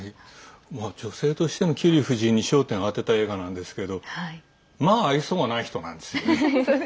女性としてのキュリー夫人に焦点を当てた映画なんですけどまあ愛想がない人なんですよね。